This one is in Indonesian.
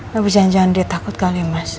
lebih jangan jangan dia takut kali mas